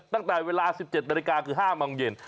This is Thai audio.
ตั้งแต่เวลา๑๗นาฬิกาคือ๕โมงเย็น